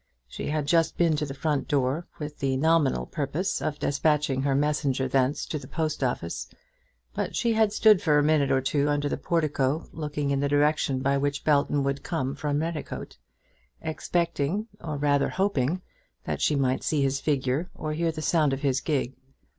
She had just been to the front door, with the nominal purpose of despatching her messenger thence to the post office; but she had stood for a minute or two under the portico, looking in the direction by which Belton would come from Redicote, expecting, or rather hoping, that she might see his figure or hear the sound of his gig.